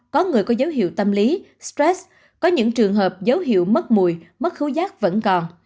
có người có dấu hiệu tâm lý stress có những trường hợp dấu hiệu mất mùi mất khứu giáp vẫn còn